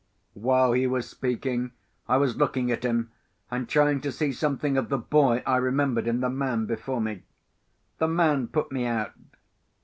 While he was speaking, I was looking at him, and trying to see something of the boy I remembered, in the man before me. The man put me out.